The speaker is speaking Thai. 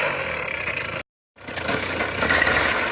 และที่สุดท้ายและที่สุดท้าย